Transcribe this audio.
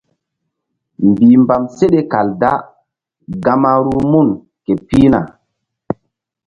Mbihmbam seɗe kal da gama ruh mun ke pihna.